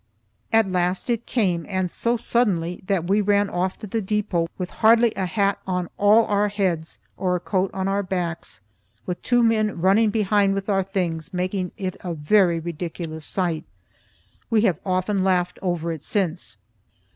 At last it came and so suddenly that we ran off to the depot with hardly a hat on all our heads, or a coat on our backs, with two men running behind with our things, making it a very ridiculous sight. We have often laughed over it since.